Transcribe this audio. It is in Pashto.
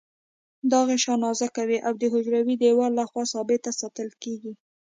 دا غشا نازکه وي او د حجروي دیوال له خوا ثابته ساتل کیږي.